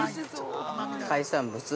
海産物。